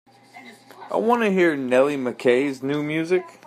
I want to hear Nellie Mckay's new music.